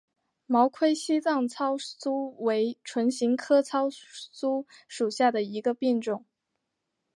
毛盔西藏糙苏为唇形科糙苏属下的一个变种。